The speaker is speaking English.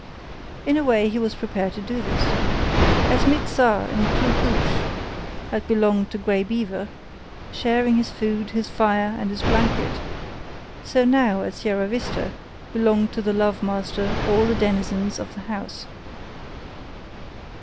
In a way he was prepared to do this. As Mit sah and Kloo kooch had belonged to Grey Beaver, sharing his food, his fire, and his blankets, so now, at Sierra Vista, belonged to the love master all the denizens of the house.